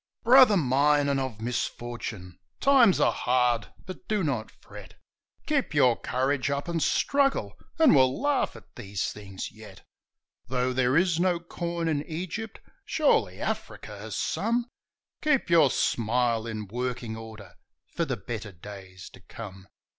Brother mine, and of misfortune ! times are hard, but do not fret, Keep your courage up and struggle, and we'll laugh at these things yet. Though there is no corn in Egypt, surely Africa has some Keep your smile in working order for the better days to come